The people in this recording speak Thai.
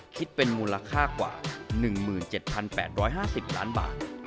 คิดเป็นมูลค่ากว่า๑๗๘๕๐ล้านบาท